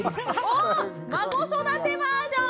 おっ孫育てバージョン！